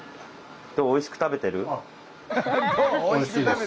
どうおいしく食べてる？